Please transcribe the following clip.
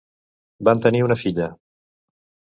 Van tenir una filla.